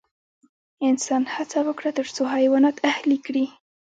انسان هڅه وکړه تر څو حیوانات اهلي کړي.